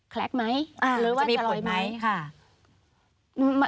คล็กไหมหรือว่าจะลอยไหม